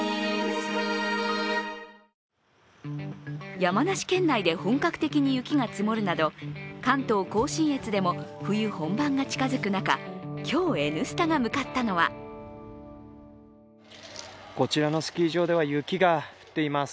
山梨県内で本格的に雪が積もるなど関東甲信越でも冬本番が近づく中、今日「Ｎスタ」が向かったのはこちらのスキー場では雪が降っています。